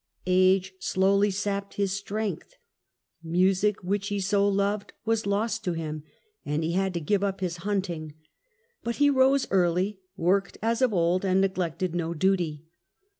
Age slowly sapped his strength. Music, which he so loved, was lost to him : he had to give up his hunting ; but he rose early, worked as of old, and neglected no duty.